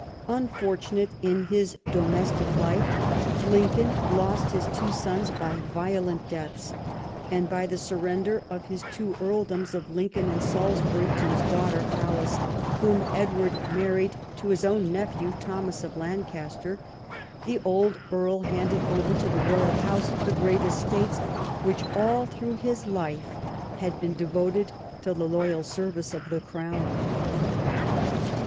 Unfor tunate in his domestic life, Lincoln lost his two sons by violent deaths ; and by the surrender of his two earl doms of Lincoln and Salisbury to his daughter Alice, G 82 EDWAUD I chap. whom Edward married to his own nephew Thomas of Lancaster, the old earl handed over to the royal house the great estates, which all through his life had been devoted to the loyal service of the Crown.